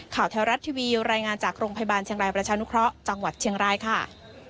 แถวรัฐทีวีรายงานจากโรงพยาบาลเชียงรายประชานุเคราะห์จังหวัดเชียงรายค่ะ